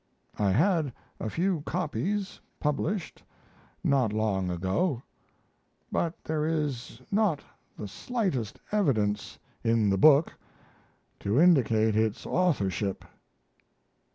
I had a few copies published not long ago; but there is not the slightest evidence in the book to indicate its authorship."